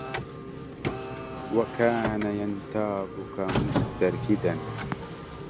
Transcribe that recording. وكانَ يَنتابُكَ مُستَرفِداً